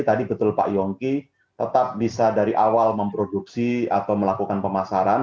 tadi betul pak yongki tetap bisa dari awal memproduksi atau melakukan pemasaran